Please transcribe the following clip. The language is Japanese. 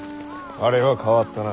あれは変わったな。